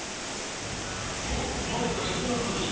おっ前から人が来るぞ。